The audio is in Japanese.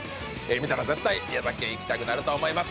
見たら絶対、宮崎県に行きたくなると思います。